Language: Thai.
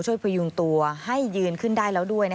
พยุงตัวให้ยืนขึ้นได้แล้วด้วย